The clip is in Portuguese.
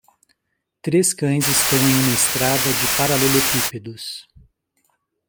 Três cães estão em uma estrada de paralelepípedos.